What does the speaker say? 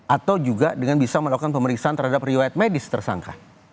atau juga dengan bisa melakukan pemeriksaan terhadap riwayat medis tersangka